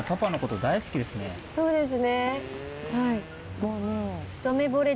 そうですねはい。